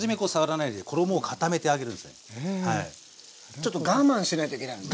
ちょっと我慢しないといけないのね。